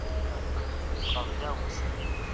نړیوال سازمانونه د خلګو د سوکالۍ لپاره کار کوي.